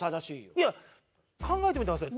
いや考えてみてください。